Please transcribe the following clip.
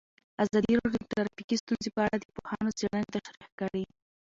ازادي راډیو د ټرافیکي ستونزې په اړه د پوهانو څېړنې تشریح کړې.